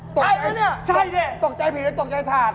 อะไรกันเนี่ยตกใจผิดหรือตกใจถาดใช่เนี่ย